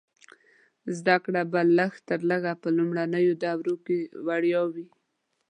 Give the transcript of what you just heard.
زده کړه به لږ تر لږه په لومړنیو دورو کې وړیا وي.